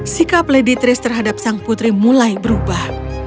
sikap lady tris terhadap sang putri mulai berubah